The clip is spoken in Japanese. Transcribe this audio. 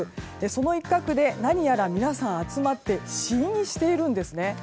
その一角で何やら皆さん集まって試飲しているんですね。